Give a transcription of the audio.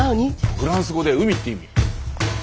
フランス語で海っていう意味。